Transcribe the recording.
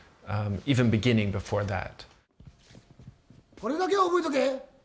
これだけは覚えとけ！